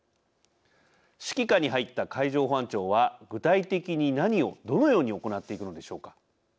指揮下に入った海上保安庁は具体的に何をどのように行っているのでしょうか。